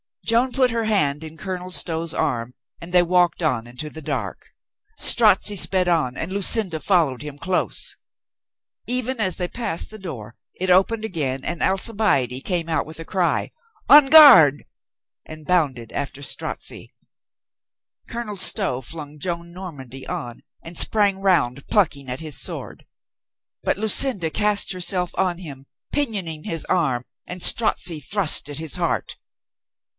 Joan put her hand in Colonel Stow's arm and they walked on into the dark. Strozzi sped on and Lucinda followed him close. Even as they passed the door it opened again and Alcibiade came out with a cry: "On guard!" and bounded after Strozzi. Colonel Stow flung Joan Normandy on and sprang round, plucking at his sword. But Lucinda cast herself on him, pinioning his arm and Strozzi thrust at his heart.